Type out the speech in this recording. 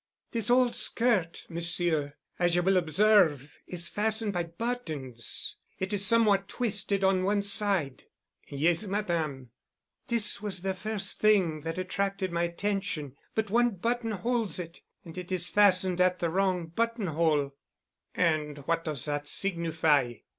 "This old skirt, Monsieur, as you will observe, is fastened by buttons and is somewhat twisted to one side." "Yes, Madame." "This was the first thing that attracted my attention. But one button holds it, and it is fastened at the wrong button hole." "And what does that signify?"